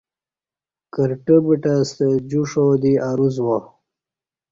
کرٹہ بٹہ ستہ جوش آودی اروس وا